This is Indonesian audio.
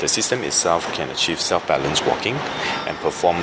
sistem itu sendiri bisa mencapai perjalanan berbalan dan melakukan tugas yang berbeda